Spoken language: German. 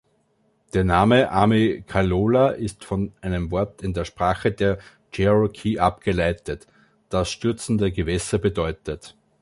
Der Name „Amicalola“ ist von einem Wort in der Sprache der Cherokee abgeleitet, das „stürzende Gewässer“ bedeutet.